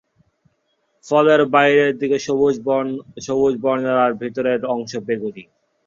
ফলের বাইরের দিক সবুজ বর্ণের আর ভেতরে অংশ বেগুনি।